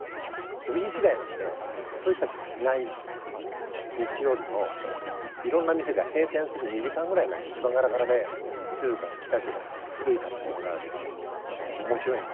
オフィス街なんでそういう人たちがいない日曜日のいろんな店が閉店する２時間ぐらい前が一番がらがらで静かでキラキラしてて古い建物だらけで面白いの。へ。